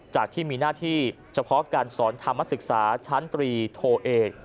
จากที่มีหน้าที่เฉพาะการสอนธรรมศึกษาชั้นตรีโทเอก